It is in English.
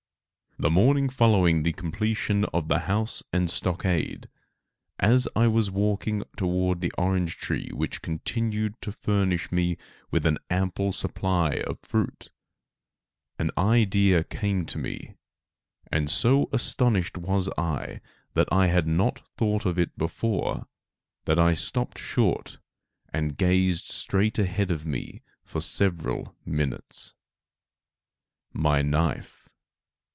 The morning following the completion of the house and stockade, as I was walking toward the orange tree which continued to furnish me with an ample supply of fruit, an idea came to me, and so astonished was I that I had not thought of it before that I stopped short and gazed straight ahead of me for several minutes. My knife!